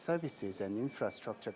dan konsultasi infrastruktur